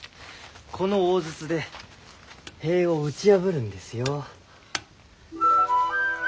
この大筒で塀を打ち破るんですよ。